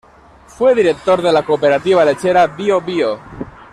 Fue director de la Cooperativa Lechera Bío Bío.